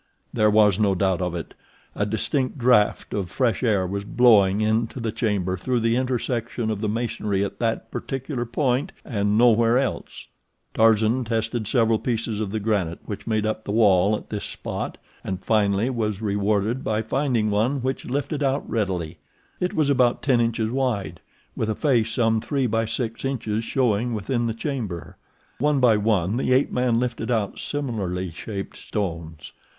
There was no doubt of it! A distinct draft of fresh air was blowing into the chamber through the intersection of the masonry at that particular point—and nowhere else. Tarzan tested several pieces of the granite which made up the wall at this spot, and finally was rewarded by finding one which lifted out readily. It was about ten inches wide, with a face some three by six inches showing within the chamber. One by one the ape man lifted out similarly shaped stones.